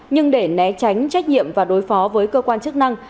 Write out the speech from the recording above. nhưng để né tránh trách nhiệm và đối phó với cơ quan chức năng